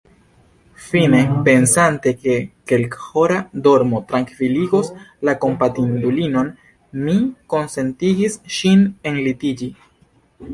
Fine, pensante, ke kelkhora dormo trankviligos la kompatindulinon, mi konsentigis ŝin enlitiĝi.